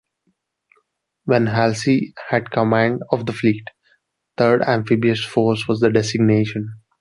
When Halsey had command of the fleet, Third Amphibious Force was the designation.